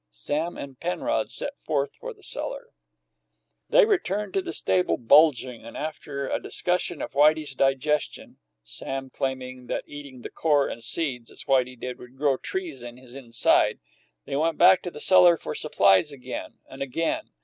Sam and Penrod set forth for the cellar. They returned to the stable bulging, and, after a discussion of Whitey's digestion (Sam claiming that eating the core and seeds, as Whitey did, would grow trees in his inside), they went back to the cellar for supplies again and again.